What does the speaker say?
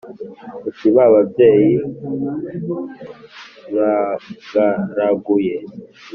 Uti ba babyeyi mwagaraguye